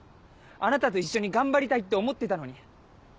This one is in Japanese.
あなたと一緒に頑張りたいって思ってたのに。